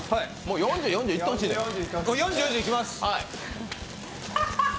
４０、４０いきます。